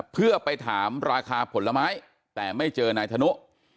เพื่อไปถามราคาผลไม้แต่ไม่เจอนายธนุ